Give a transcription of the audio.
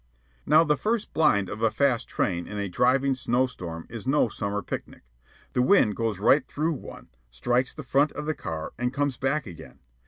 Now the first blind of a fast train in a driving snow storm is no summer picnic. The wind goes right through one, strikes the front of the car, and comes back again.